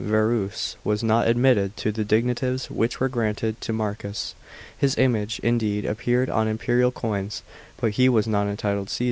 Verus, was not admitted to the dignities which were granted to Marcus. His image, indeed, appeared on imperial coins, but he was not entitled Ca?